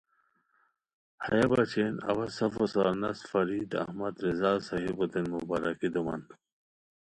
ہیہ بچین اوا سفوسار نست فرید احمد رضا صاحبوتین مبارکی دومان۔